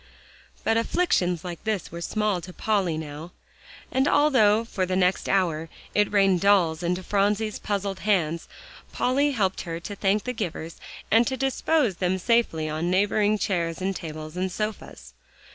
But afflictions like this were small to Polly now, and although for the next hour it rained dolls into Phronsie's puzzled hands, Polly helped her to thank the givers and to dispose them safely on neighboring chairs and tables and sofas.